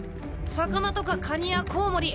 魚とかカニやコウモリ